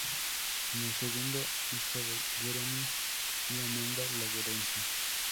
Es el segundo hijo de Jeremy y Amanda Lawrence.